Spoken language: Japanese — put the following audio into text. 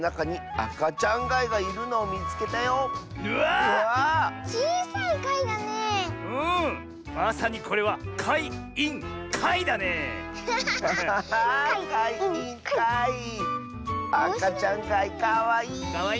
あかちゃんがいかわいい！